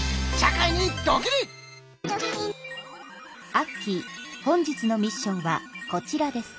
アッキー本日のミッションはこちらです。